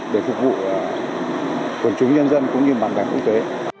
để phục vụ quần chúng nhân dân cũng như bản cảnh quốc tế